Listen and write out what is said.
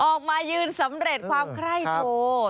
ออกมายืนสำเร็จความไคร้โชว์